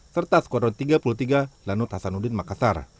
serta skuadron tiga puluh tiga lanut hasanuddin makassar